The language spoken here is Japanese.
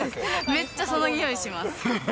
めっちゃその匂いします。